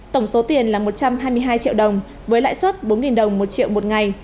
tổng số tiền là một trăm hai mươi hai triệu đồng với lãi suất bốn đồng một triệu một ngày